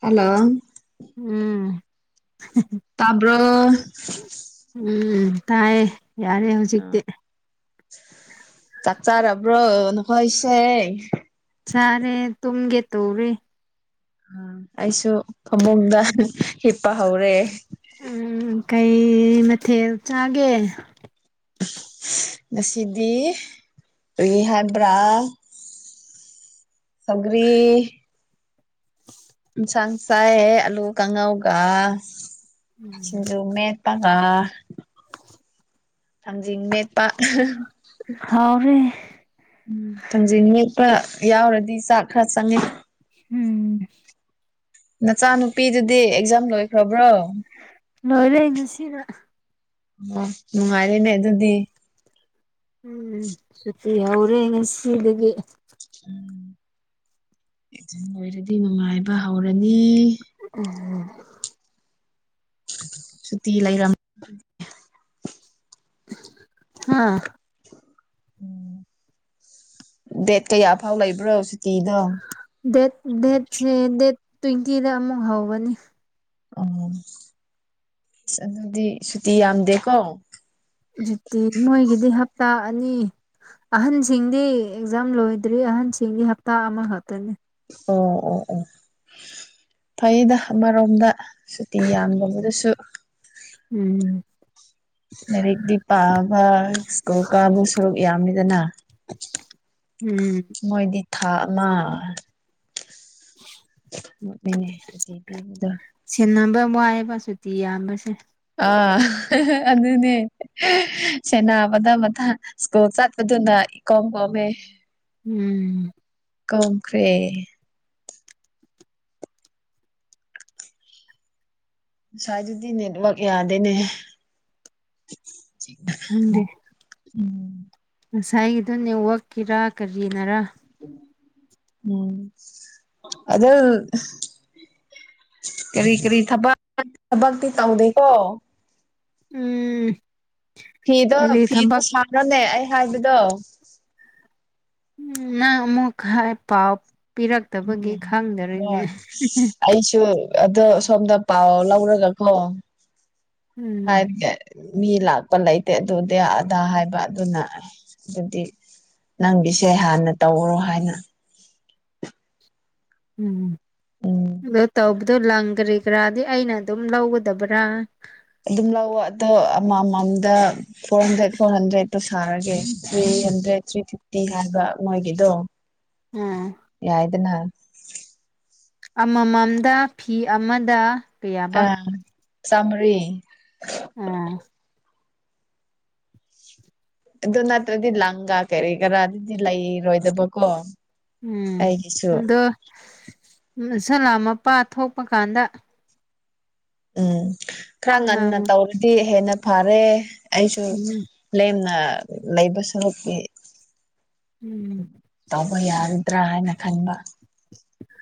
hello ꯎꯝ ꯍ-ꯍ ꯇꯥꯕ꯭ꯔꯣ ꯎꯝ ꯇꯥꯏꯌꯦ ꯌꯥꯔꯦ ꯍꯧꯖꯤꯛꯇꯤ ꯆꯥꯛꯆꯥ ꯔꯕ꯭ꯔꯣ ꯅꯈꯣꯏꯁꯦ ꯆꯥꯔꯦ ꯇꯨꯝꯒꯦ ꯇꯧꯔꯤ ꯑꯩꯁꯨ ꯐꯃꯨꯡꯗ ꯍꯤꯞꯄ ꯍꯧꯔꯦ ꯎꯝ ꯀꯩ ꯃꯊꯦꯜ ꯆꯥꯒꯦ ꯉꯁꯤꯗꯤ ꯀ꯭ꯔꯤ ꯍꯥꯏꯕ꯭ꯔꯥ ꯁꯧꯒ꯭ꯔꯤ ꯏꯟꯁꯥꯡ ꯆꯥꯏꯌꯦ ꯑꯂꯨ ꯀꯥꯡꯉꯧꯒ ꯎꯝ ꯁꯤꯡꯖꯨ ꯃꯦꯠꯇꯒ ꯊꯥꯡꯖꯤꯡ ꯃꯦꯠꯄ ꯍꯥꯎꯔꯦ ꯊꯥꯡꯖꯤꯡ ꯃꯠ ꯈꯔ ꯌꯥꯎꯔꯗꯤ ꯆꯥꯛ ꯈꯔ ꯆꯪꯉꯦ ꯎꯝ ꯅꯆꯥꯅꯨꯄꯤꯗꯨꯗꯤ ꯑꯦꯛꯖꯥꯝ ꯂꯣꯏꯈ꯭ꯔꯕ꯭ꯔꯣ ꯅꯣꯏꯂ ꯌꯦ ꯉ ꯁꯤꯔ ꯑꯣ ꯅꯨꯡꯉꯥꯏꯔꯤꯅꯦ ꯑꯗꯨꯗꯤ ꯎꯝ ꯁꯇꯤ ꯍꯧꯔꯦꯉ ꯁꯤꯗꯒꯤ ꯎꯝ ꯂꯣꯏꯔꯗꯤ ꯅꯨꯡꯉꯥꯏꯕ ꯍꯧꯔꯅꯤ ꯎꯝ ꯁꯨꯇ ꯂꯩꯔ ꯑꯥ ꯎꯝ ꯗꯦꯠ ꯀꯌꯥ ꯐꯥꯎ ꯂꯩꯕ꯭ꯔꯣ ꯍꯧꯖꯤ ꯗꯦꯠ ꯗꯦꯠꯁꯦ ꯗꯦꯠ ꯇ꯭ꯋꯦꯟꯇꯤꯗ ꯑꯃꯨꯛ ꯍꯒꯅꯤ ꯑꯣ ꯑꯗꯨꯗꯤ ꯁꯨꯇꯤ ꯌꯥꯝꯗꯦꯀꯣ ꯍꯧꯨꯠꯇꯤ ꯃꯣꯏꯒꯤꯗꯤ ꯍꯞꯇꯥ ꯑꯅꯤ ꯑꯍꯟꯁꯤꯡꯗꯤ ꯑꯦꯛꯖꯥꯝ ꯂꯣꯏꯗ꯭ꯔꯤ ꯑꯍꯟꯁꯤꯡꯒꯤ ꯍꯞꯇꯥ ꯑꯃ ꯈꯛꯇꯅꯦ ꯑꯣ ꯑꯣ ꯑꯣ ꯐꯩꯗ ꯑꯃꯔꯣꯝꯗ ꯁꯨꯇꯤ ꯌꯥꯝꯗꯕꯗꯨꯁꯨ ꯎꯝ ꯂꯥꯏꯔꯤꯛꯇꯤ ꯄꯥꯕ ꯁ꯭ꯀꯨꯜ ꯀꯥꯕꯨ ꯁꯔꯨꯛ ꯌꯥꯝꯃꯤꯗꯅ ꯎꯝ ꯃꯣꯏꯗꯤ ꯊꯥ ꯃꯥ ꯃꯅꯦ ꯁꯨꯇꯤ ꯄꯤꯕꯗ ꯃꯑ ꯄꯁꯨꯨ ꯊꯤ ꯌꯥ ꯃꯁ ꯑ ꯑꯗꯨꯅꯦ ꯁꯦꯅꯥ ꯃꯊꯪ ꯃꯊꯪ ꯁ꯭ꯀꯣꯜ ꯆꯠꯄꯗꯨꯅ ꯀꯝ ꯀꯃꯦ ꯎꯝ ꯀꯝꯈ꯭ꯔꯦ ꯉꯁꯋꯥꯥꯏꯗꯨꯗꯤ ꯅꯦꯠꯋꯛ ꯌꯥꯗꯦꯅꯦ ꯈꯪꯗꯦ ꯎꯝ ꯉꯁꯥꯏꯒꯤꯗꯣ ꯅꯦꯠꯋꯥꯛꯀꯤꯔ ꯀꯔꯤꯅꯔꯥ ꯎꯝ ꯑꯗꯣ ꯀꯔꯤ ꯀꯔꯤ ꯊꯕꯛ ꯊꯕꯤ ꯇꯧꯗꯣ ꯎꯝ ꯐꯤꯗꯣ ꯀꯔꯤ ꯐꯤꯗꯣ ꯊꯕꯛ ꯁꯥꯔꯅꯦ ꯑꯩ ꯍꯥꯏꯕꯗꯣ ꯃ ꯑꯃꯨꯛ ꯍꯥꯏꯥꯏ ꯄꯥꯎ ꯄꯤꯔꯛꯇꯕꯒꯤ ꯎꯝ ꯍ ꯈꯪꯗꯔꯤꯅꯦ ꯑꯩꯁꯨ ꯑꯗꯣ ꯁꯣꯝꯗ ꯄꯥꯎ ꯂꯧꯔꯒꯀꯣ ꯎꯝ ꯍꯥꯏꯦ ꯃꯤ ꯂꯥꯛꯄ ꯂꯩꯇꯦ ꯑꯗꯨꯗꯤ ꯑꯗꯥ ꯍꯥꯏꯕ ꯑꯗꯨꯅ ꯑꯗꯨꯗꯤ ꯅꯪꯒꯤꯁꯦ ꯍꯥꯟꯅ ꯇꯧꯔꯣ ꯍꯥꯏꯅ ꯎꯝ ꯇ ꯑꯗꯨ ꯂꯪꯈ꯭ꯔꯤ ꯀꯔꯥꯗꯤ ꯑꯩꯅ ꯑꯗꯨꯝ ꯂꯧꯒꯗꯕ꯭ꯔꯥ ꯑꯗꯨꯝ ꯂ ꯋꯥꯗꯣ ꯑꯃꯃꯝꯗ ꯐꯣꯔ ꯍꯟꯗ꯭ꯔꯦꯠ ꯐꯣꯔ ꯍꯟꯗ꯭ꯔꯦꯗ ꯊꯥꯔꯒꯦ ꯊ꯭ꯔꯤ ꯍꯟꯗ꯭ꯔꯦꯠ ꯊ꯭ꯔꯤ ꯐꯤꯐꯇꯤ ꯍꯥꯏꯕ ꯃꯣꯏꯒꯤꯗꯣ ꯎꯝ ꯌꯥꯏꯗꯅ ꯑꯃꯃꯝꯗ ꯐꯤ ꯑꯃꯗ ꯀꯌꯥꯕ ꯑ ꯆꯃꯔꯤ ꯎꯝ ꯑꯗꯨ ꯅꯠꯇ꯭ꯔꯗꯤ ꯂꯪꯒꯥ ꯀꯔꯤ ꯀꯔꯥ ꯑꯗꯨꯗꯤ ꯂꯩꯔꯣꯏꯗꯕꯀꯣ ꯎꯝ ꯑꯩꯒꯤꯁꯨ ꯑꯗꯣ ꯁꯂꯥ ꯃꯄꯥ ꯊꯣꯛꯄ ꯀꯥꯟꯗ ꯎꯝ ꯈꯔ ꯉꯟꯅ ꯎꯝ ꯇꯧꯔꯗꯤ ꯍꯦꯟꯅ ꯐꯔꯦ ꯑꯩꯁꯨ ꯂꯦꯝꯅ ꯂꯩꯕꯁꯨꯨꯛꯀꯤ ꯎꯝ ꯇꯧꯕ ꯌꯥꯔꯗ꯭ꯔꯥ ꯍꯥꯏꯅ ꯈꯟꯕ [unintelligible]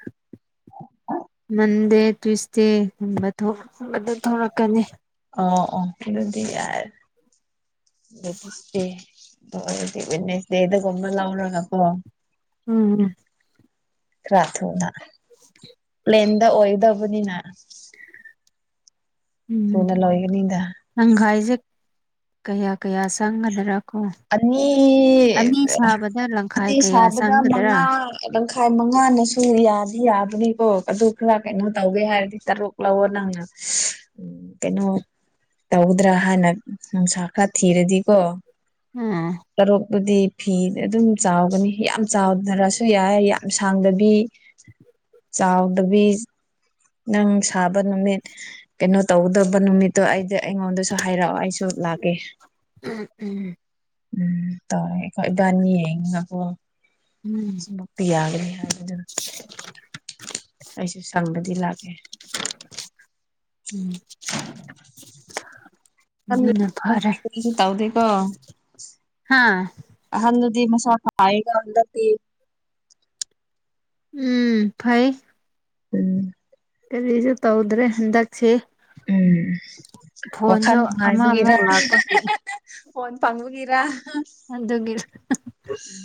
ꯃꯟꯗꯦ ꯇ꯭ꯋꯁꯗꯦꯒꯨꯝꯕ ꯊꯣꯛꯂꯛꯀꯅꯤ ꯑꯣ ꯑꯣ ꯀꯩꯅꯣꯗꯤ ꯌꯥꯔꯗꯤꯦ ꯟꯅꯁꯦꯗ ꯀꯣꯃꯜ ꯂ ꯀꯄꯣ ꯑ ꯔꯊꯗ [inaudible] ꯑꯦꯗ ꯑꯣꯏꯗꯕꯅꯤꯅ ꯎꯝ ꯇꯨꯅ ꯂꯣꯏꯕꯅꯤꯗ ꯇꯪꯈꯥꯏꯁꯦ ꯀꯌꯥ ꯀꯌꯥ ꯆꯪꯒꯗꯔ ꯑꯅꯤ ꯁꯥꯕꯗ ꯂꯪꯈꯥꯏ ꯑ ꯀꯌꯥ ꯁꯥꯕꯗ ꯆꯪꯒꯗ꯭ꯔꯥ ꯃꯉ ꯇꯥꯏ ꯃꯉꯥꯅꯁꯨ ꯌꯥꯗꯤ ꯌꯥꯕꯅꯤꯀꯣ ꯑꯗꯨ ꯈꯔ ꯀꯩꯅꯣ ꯇꯧꯒꯦ ꯍꯥꯏꯔꯗꯤ ꯇꯔꯨꯛ ꯂꯧꯑꯣ ꯅꯪꯅ ꯎꯝ ꯀꯩꯅꯣ ꯇꯧꯗ꯭ꯔꯥ ꯍꯥꯟꯅ ꯅꯨꯡꯁꯥ ꯈꯔ ꯊꯤꯔꯗꯤꯀꯣ ꯑꯥ ꯇꯔꯣ ꯕꯨꯗꯤ ꯐꯤ ꯑꯗꯨꯝ ꯆꯥꯎꯒꯅꯤ ꯌꯥꯝ ꯆꯥꯎꯗ꯭ꯔꯁꯨ ꯌꯥꯏ ꯌꯥꯝ ꯁꯥꯡꯗꯕꯤ ꯆꯥꯎꯗꯕꯤ ꯅꯪ ꯁꯥꯕ ꯅꯨꯃꯤꯠ ꯀꯩꯅꯣ ꯇꯧꯗꯕ ꯅꯨꯃꯤꯠꯇꯣ ꯑꯩꯗꯤ ꯑꯩꯉꯣꯟꯗꯁꯨ ꯍꯥꯏꯔꯛꯑꯣ ꯑꯩꯁꯨ ꯂꯥꯛꯀꯦ ꯎꯝ ꯎꯝ ꯇ ꯈꯣꯏ ꯏꯕꯥꯅꯤ ꯍꯕꯨꯣ ꯎꯝ ꯁꯃꯄꯤ ꯌꯥꯒꯅꯤ ꯍꯥꯏꯗ ꯑꯩꯁꯨ ꯁꯪꯕꯗꯤ ꯂꯥꯛꯀꯦ ꯎꯝ ꯅ ꯐꯔꯦ ꯀꯔꯤꯁꯨ ꯇꯧꯗꯦꯀꯣ ꯍꯥꯥ ꯑꯍꯟꯗꯨꯗꯤ ꯃꯁꯥ ꯐꯥꯏꯒꯟꯗꯤ ꯎꯝ ꯐꯩ ꯎꯝ ꯀꯔꯤꯁꯨ ꯇꯧꯗ꯭ꯔꯦ ꯍꯟꯗꯛꯁꯦ ꯎꯝ ꯋꯥꯈꯜ ꯐꯣꯟꯁꯨ ꯑꯃ ꯑꯃ ꯅꯨꯡꯉꯥꯏꯕꯒꯤꯔ ꯂꯥꯛꯄ ꯐꯣꯟ ꯐꯥꯡꯉꯨꯒꯤꯔ ꯑꯗꯨ ꯒꯤ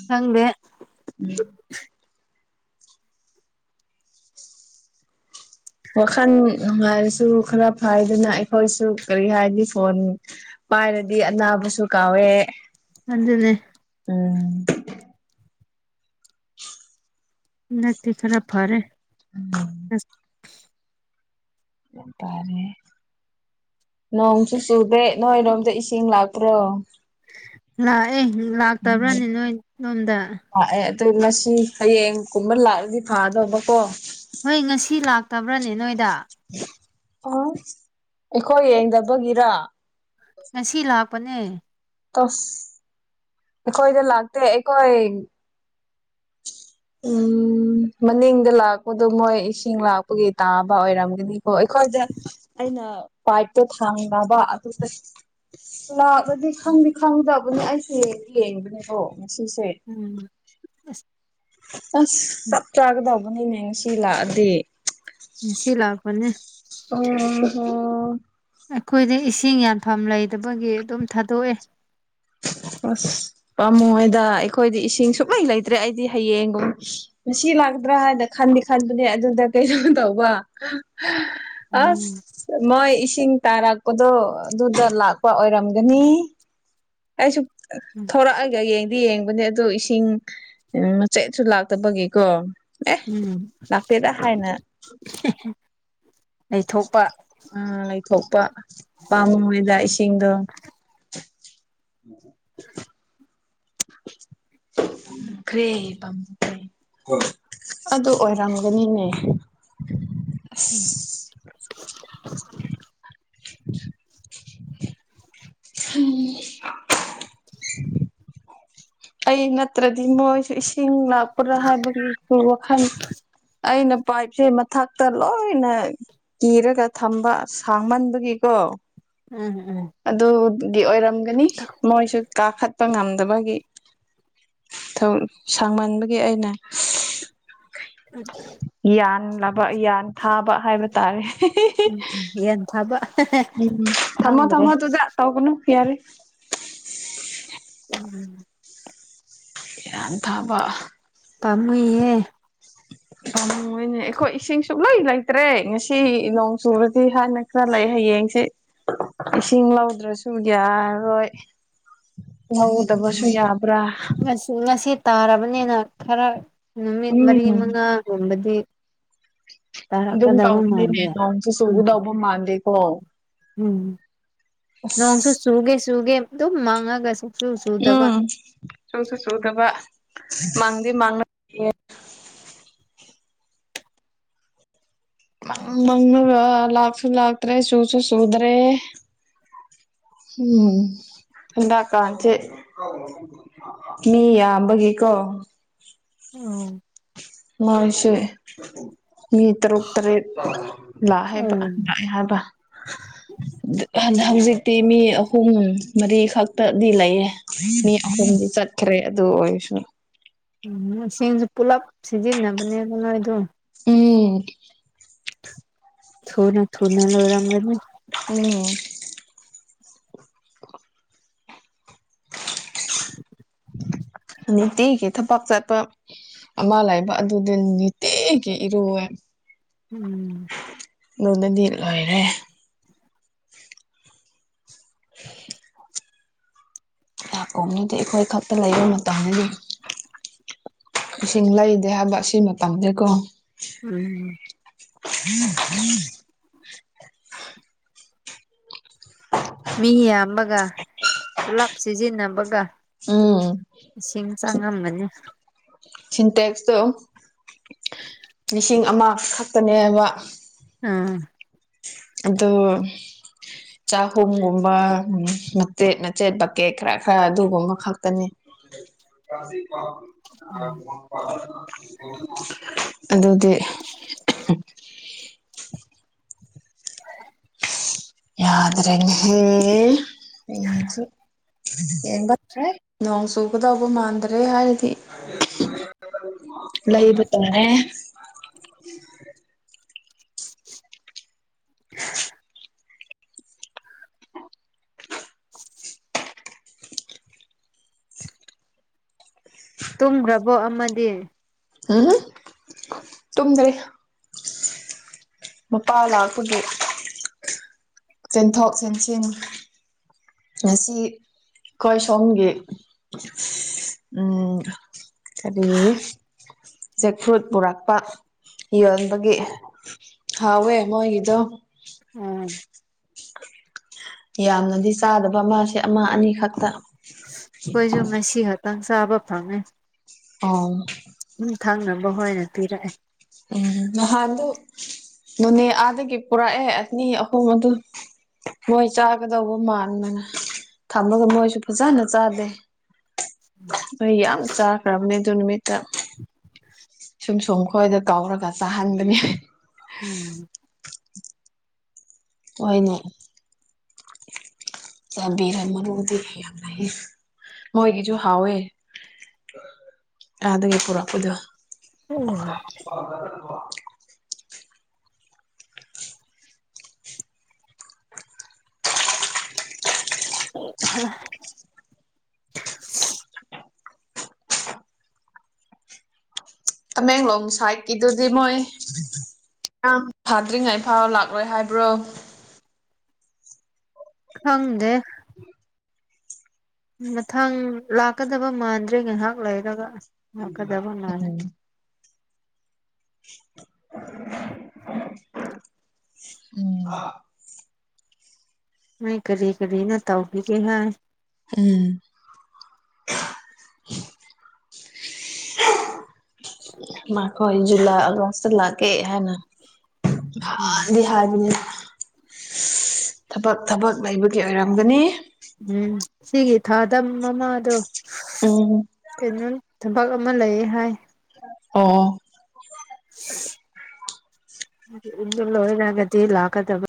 ꯍꯪꯗꯦ ꯋꯥꯈꯜ ꯅꯨꯡꯉꯔꯁꯨ ꯈꯔ ꯐꯗꯅ ꯑꯩꯈꯣꯏꯁꯨ ꯀꯔꯤ ꯍꯥꯏꯅꯤ ꯐꯣꯟ ꯄꯥꯏꯔꯗꯤ ꯑꯅꯥꯕꯁꯨ ꯀꯥꯎꯋꯦ ꯑꯗꯨꯗ ꯂꯩꯦ [inaudible] ꯅꯗꯤ ꯈꯔꯞ ꯐꯔꯦ ꯇꯥꯔꯦ ꯅꯣꯡꯁꯨ ꯆꯨꯗꯦ ꯅꯣꯏꯔꯣꯝꯗ ꯏꯁꯤꯡ ꯂꯥꯛꯄ꯭ꯔꯣ ꯂꯥꯛꯑꯦ ꯂꯥꯛꯇꯕ꯭ꯔꯅꯤ ꯅꯣꯏ ꯂꯣꯝꯗ ꯑꯗꯩ ꯃꯁꯤ ꯍꯌꯦꯡꯒꯨꯝꯕ ꯂꯥꯛꯑꯗꯤ ꯐꯥꯗꯧꯕꯀꯣ ꯍꯣꯏ ꯉꯁꯤ ꯂꯥꯛꯇꯕ꯭ꯔꯅꯦ ꯅꯣꯏꯗ ꯑ ꯑꯩꯈꯣꯏ ꯌꯦꯡꯗꯕꯒꯤꯔ ꯉꯁꯤ ꯂꯥꯛꯄꯅꯦ ꯇꯁ ꯑꯩꯈꯣꯏꯗ ꯂꯥꯛꯇꯦ ꯑꯩꯈꯣꯏ ꯎꯝ ꯎꯝ ꯃꯅꯤꯡꯗ ꯂꯥꯛꯄꯗꯣ ꯃꯣꯏ ꯏꯁꯤꯡ ꯂꯥꯛꯄꯒꯤ ꯇꯥꯕ ꯑꯣꯏꯔꯝꯒꯅꯤꯀꯣ ꯑꯩꯈꯣꯏꯗ ꯑꯩꯅ ꯄꯕꯥꯥꯏꯞꯇꯣ ꯊꯥꯡꯅꯕ ꯑꯗꯨꯗ ꯑꯗꯨꯗꯤ ꯈꯪꯗꯤ ꯈꯪꯗꯕꯅꯦ ꯑꯩꯁꯦ ꯌꯦꯡꯕꯅꯦꯀꯣ ꯉꯁꯤꯁꯦ ꯎꯝ ꯑꯁ ꯑꯁ ꯆꯞ ꯆꯥꯒꯗꯧꯕꯅꯤꯅꯦ ꯉꯁꯤ ꯂꯥꯛꯑꯗꯤ ꯉꯁꯤ ꯂꯥꯛꯄꯅꯦ ꯑꯣ ꯍ ꯑꯩꯈꯣꯏꯗ ꯏꯁꯤꯡ ꯌꯥꯟꯐꯝ ꯂꯩꯗꯕꯒꯤ ꯑꯗꯨꯝ ꯊꯥꯗꯣꯛꯑꯦ ꯑ ꯄꯥꯝꯃꯨꯡꯣꯏꯗ ꯑꯩꯈꯣꯏꯗꯤ ꯏꯁꯤꯡ ꯁꯨꯡꯂꯩ ꯂꯩꯇ꯭ꯔꯦ ꯑꯩꯗꯤ ꯍꯌꯦꯡꯒꯨꯝ ꯉꯁꯤ ꯂꯥꯛꯇ꯭ꯔꯥ ꯍꯥꯏꯅ ꯈꯟꯗꯤ ꯈꯟꯕꯅꯦ ꯑꯗꯨꯗ ꯀꯩꯩꯅꯩꯅꯣ ꯇꯧꯕ ꯎꯝ ꯑꯁ ꯃꯣꯏ ꯏꯁꯤꯡꯤꯡ ꯇꯥꯔꯛꯄꯗꯣ ꯑꯗꯨꯗ ꯂꯥꯛꯄ ꯑꯣꯏꯔꯝꯒꯅꯤ ꯀꯁꯨ ꯎꯝ ꯊꯣꯔꯛꯑꯒ ꯌꯦ ꯗꯤ ꯌꯦꯡꯕꯅꯦ ꯑꯗꯣ ꯏꯁꯤꯡ ꯃꯆꯦꯠꯁꯨ ꯂꯥꯛꯇꯕꯒꯤꯀꯣ ꯑꯦ ꯎꯝ ꯂꯅꯥꯄꯤꯦꯗ ꯍꯥꯏꯥꯏꯅ ꯂꯩꯊꯣꯛꯄ ꯎꯝ ꯂꯩꯊꯣꯛꯄ ꯄꯥꯃꯣꯏꯣꯏ ꯂ ꯏꯁꯤꯡꯁꯤꯡꯗ [inaudible] ꯈ꯭ꯔꯦ ꯄꯝꯦ ꯑꯗꯨ ꯑꯣꯏꯔꯝꯒꯅꯤꯅꯦ ꯎꯝ [inaudible] ꯎꯝ ꯑꯩ ꯅꯠꯇ꯭ꯔꯗꯤ ꯃꯣꯏꯁꯨ ꯏꯁꯤꯡ ꯂꯄ꯭ꯔ ꯍꯥꯏꯕꯒꯤ ꯋꯥꯈꯜ ꯑꯩꯅ ꯄꯥꯏꯞꯁꯦ ꯃꯊꯛꯇ ꯂꯣꯏꯅ ꯀꯤꯔꯒ ꯊꯝꯕ ꯁꯥꯡꯃꯟꯕꯒꯤꯀꯣ ꯎꯝ ꯑꯗꯨꯒꯤ ꯑꯣꯏꯔꯝꯒꯅꯤ ꯃꯣꯏꯁꯨ ꯀꯥꯈꯠꯄ ꯉꯝ ꯃꯥꯒꯤ ꯁꯥꯡꯃꯟꯕꯒꯤ ꯑꯩꯅ ꯑꯗꯨ ꯌꯥꯟꯂꯕ ꯌꯥꯟ ꯊꯥꯕ ꯍꯥꯏꯕ ꯇꯥꯔꯦ ꯌꯦꯟ ꯊꯥꯕ ꯎꯝ ꯊꯃ ꯈꯪꯗ꯭ꯔꯦ ꯊꯃ ꯇꯨꯗ ꯇꯧ ꯀꯅꯨ ꯐꯔ ꯎꯝ ꯌꯥꯟꯊꯕ ꯄꯥꯝꯃꯨꯏꯍꯦ ꯑꯣꯏꯅꯦ ꯑꯩꯣ ꯏꯁꯤꯡ ꯁꯣ ꯂꯣꯏ ꯂꯥꯛ ꯂꯩꯠꯇ꯭ꯔꯦ ꯉꯁꯤ ꯅꯣꯡ ꯆꯨꯨꯔꯗꯤ ꯍꯥꯏꯅ ꯈꯔ ꯂꯩ ꯍꯌꯦꯡꯁꯤ ꯏꯁꯤꯡ ꯂꯧꯗ꯭ꯔꯁꯨ ꯌꯥꯔꯣꯏ ꯂꯧꯗꯕꯁꯨ ꯌꯥꯕ꯭ꯔꯥ ꯁ ꯃꯁꯤꯁ ꯇꯥꯔꯕꯅꯤꯅ ꯈꯔ ꯅꯨꯃꯤꯠ ꯃꯔꯤ ꯎꯝ ꯃꯉꯥꯒꯨꯝꯕꯗꯤ ꯑꯗꯨꯝ ꯇꯥꯔꯛꯀꯗꯕ ꯇꯧꯒꯅꯤꯅꯦ ꯃꯥꯟꯗꯦ ꯅꯁꯨ ꯎꯝ ꯁꯨꯒꯗꯧꯕ ꯃꯥꯟꯗꯦꯀꯣ ꯎꯝ ꯅꯣꯡꯁꯨ ꯆꯨꯒꯦ ꯆꯨꯒꯦ ꯑꯗꯨꯝ ꯃꯪꯉꯒ ꯁꯨꯡꯁꯨꯨ ꯆꯨꯗꯕ ꯁꯣꯏꯁ ꯁꯣꯏꯗꯕ ꯃꯥꯡꯗꯤ ꯃꯥꯥꯡꯅ ꯃꯪ ꯂꯥꯛꯁꯨ ꯂꯥꯛꯇ꯭ꯔꯦ ꯁꯨꯁꯨꯨ ꯁꯨꯗ꯭ꯔꯦ ꯎꯝ ꯗꯥ ꯀꯆꯦ ꯃꯤ ꯌꯥꯕꯒꯤ ꯀꯣ ꯎꯝ ꯃꯁꯦ ꯃꯤ ꯇꯔꯨꯛ ꯇꯔꯦꯠ ꯂꯥꯛꯦꯕ ꯎꯝ ꯂꯥꯛꯑꯦ ꯍꯥꯏꯕ ꯍꯧꯖꯤꯛꯇꯤ ꯃꯤ ꯑꯍꯨꯝ ꯃꯔꯤꯈꯛꯇꯗꯤ ꯂꯩꯌꯦ ꯃꯤ ꯑꯍꯨꯝꯗꯤ ꯆꯠꯈ꯭ꯔꯦ ꯑꯗꯨ ꯑꯣꯏꯔꯁꯨꯅ ꯎꯝꯁꯤꯡꯁꯨ ꯄꯨꯂꯞ ꯁꯤꯖꯤꯟꯅꯕꯅꯦ ꯑꯗꯨ ꯅꯣꯏꯗ ꯎꯝ ꯊ ꯅ ꯊ ꯅ ꯂꯧꯣꯔꯝ ꯂꯩ ꯎꯝ [unintelligible] ꯑꯠꯇꯤꯒꯤ ꯊꯕꯛ ꯆꯠꯄ ꯑꯃ ꯂꯩꯥꯛꯕ ꯑꯗꯨꯗꯤ ꯅꯤꯇꯤꯒꯤ ꯏꯔꯨꯑꯦ ꯎꯝ ꯅꯣꯡꯅꯗꯤ ꯂꯣꯏꯔꯦ [unintelligible] ꯂꯀꯣꯅꯗꯤ ꯑꯩꯈꯣꯏ ꯈꯛꯇ ꯂꯩꯕ ꯃꯇꯝꯗꯗꯤ ꯏꯁꯤꯡ ꯂꯩꯗꯦ ꯍꯥꯏꯕ ꯑꯁꯤ ꯃꯇꯝꯗꯦꯀꯣ ꯎꯝ ꯎꯝ ꯎ ꯃꯤ ꯌꯥꯝꯕꯒ ꯄꯨꯂꯞ ꯁꯤꯖꯤꯟꯅꯕꯒ ꯎꯝ ꯏꯁꯤꯡ ꯆꯪꯉꯝꯕꯅꯦ ꯁꯤꯟꯇꯦꯛꯁꯇꯣ ꯂꯤꯁꯤꯡ ꯑꯃꯈꯛ ꯐꯅꯦꯕ ꯑꯥ ꯑꯗꯣ ꯆꯥꯍꯨꯝꯒꯨꯝꯕ ꯎ ꯃꯆꯦꯠ ꯃꯆꯦꯠ ꯕꯀꯦꯠ ꯈꯔ ꯈꯔ ꯑꯗꯨꯒꯨꯝꯕ ꯈꯛꯇꯅꯤ ꯑꯗꯨꯗꯤ [unintelligible] [unintelligible] ꯌꯥꯗꯔꯉꯦ ꯅꯣꯡꯣꯡ ꯁꯈꯗꯕ ꯃꯗꯔꯦ ꯍꯥꯏꯗꯤ ꯂꯩꯕ ꯇꯅꯦ [unintelligible] [inaudible] ꯇꯨꯝꯈ꯭ꯔꯕꯣ ꯑꯃꯗꯤ ꯑ ꯇꯗ꯭ꯔꯔꯤ ꯃꯄꯥ ꯂꯥꯛꯄꯒꯤ ꯆꯦꯟꯊꯣꯛ ꯆꯦꯟꯁꯤꯟ ꯉꯁꯤ ꯑꯩꯈꯣꯏ ꯁꯣꯝꯒꯤ ꯎ ꯑꯗꯒꯤ ꯖꯦꯛ ꯐ꯭ꯔꯨꯠ ꯄꯨꯔꯛꯄ ꯌꯣꯟꯣꯟꯕꯒꯤ ꯍꯋꯦ ꯃꯣꯏꯒꯤꯗꯨꯣ ꯎꯝ ꯌꯥꯝꯅꯗꯤ ꯆꯥꯗꯕ ꯑꯃꯁꯁꯦ ꯑꯃ ꯑꯅꯤ ꯈꯛꯇ ꯑꯩꯈꯣꯏꯁꯨ ꯉꯁꯤ ꯈꯇꯪ ꯆꯥꯕ ꯐꯪꯉꯦ ꯑꯣ ꯎꯝ ꯊꯪꯅꯕ ꯍꯣꯏꯅ ꯄꯤꯔꯛꯑꯦ ꯎꯝ ꯅꯍꯥꯟꯗꯨ ꯅꯣꯅꯦ ꯑꯥꯗꯒꯤ ꯄꯨꯔꯛꯑꯦ ꯑꯅꯤ ꯑꯍꯨꯝ ꯑꯗꯨ ꯃꯣꯏ ꯆꯥꯒꯗꯧꯕ ꯃꯥꯟꯕꯗꯅ ꯊꯝꯃꯒ ꯃꯣꯏꯁꯨ ꯐꯖꯅ ꯆꯥꯗꯦ ꯍꯣꯏ ꯌꯥꯝ ꯆꯥꯈ꯭ꯔꯕꯅꯦ ꯑꯗꯨ ꯅꯨꯃꯤꯠꯇ [unintelligible] ꯁꯨꯝ ꯁꯨꯝ ꯈꯣꯏꯗ ꯀꯥꯎꯔꯒ ꯆꯥꯍꯟꯕꯅꯦ ꯎꯝ ꯑꯣꯏꯅꯤ ꯆꯝꯕꯤꯔ ꯃꯔꯨꯗꯤ ꯌꯥꯝ ꯂꯩ ꯃꯣꯏꯒꯤꯁꯨ ꯍꯥꯎꯋꯦ ꯑꯗꯦ ꯄꯨꯔꯄꯗꯣ ꯍꯣꯏ [unintelligible] ꯑ ꯇꯃꯦꯡꯂꯣꯡ ꯁꯥꯏꯠꯀꯤꯗꯨꯗꯤ ꯃꯣꯏ ꯌꯥꯝꯌꯥꯝ ꯊꯥꯗ꯭ꯔꯤꯉꯩ ꯐꯥꯎ ꯂꯥꯛꯂꯣꯏ ꯍꯥꯏꯕ꯭ꯔꯣ ꯈꯪꯗꯦ ꯃꯊꯪ ꯂꯥꯛꯀꯗꯕ ꯃꯥꯟꯗ꯭ꯔꯦ ꯉꯥꯏꯍꯥꯛ ꯂꯩꯔꯒ ꯂꯥꯀꯗꯕ ꯃꯥꯂꯦ ꯎꯝ ꯎꯝ ꯅꯣꯏ ꯀꯔꯤ ꯀꯔꯤꯅ ꯇꯧꯕꯤꯒꯦ ꯍꯥꯏ ꯎꯝ ꯃꯥꯈꯣꯏꯖ ꯨꯂꯥꯛ ꯑꯒꯁꯨ ꯂꯥꯛꯀꯦ ꯍꯥꯏꯅ ꯍꯗꯤ ꯍꯥꯏꯔꯕꯤꯅꯦ ꯊꯕꯛ ꯊꯕꯛ ꯂꯩꯕꯒꯤ ꯑꯣꯏꯔꯝꯒꯅꯤ ꯎꯝ ꯁꯤꯒꯤ ꯊꯥꯗꯝ ꯃꯃꯥꯗꯣ ꯎꯝ ꯀꯩꯅꯣꯝ ꯐꯛ ꯑꯃ ꯂꯩ ꯍꯥꯏ ꯑꯣ ꯏ ꯂ ꯑꯣꯏꯔ ꯀꯗꯤꯤ ꯂꯥꯛ ꯀ ꯇꯕ